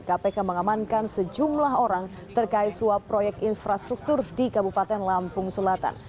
kpk mengamankan sejumlah orang terkait suap proyek infrastruktur di kabupaten lampung selatan